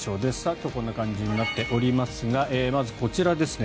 今日、こんな感じになっておりますがまずこちらですね。